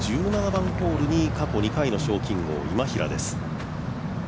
１７番ホールに過去２回の賞金王・今平です。